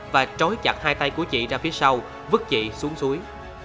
và trói chặt hai tay của chị ra phía sau vứt chị xuống suối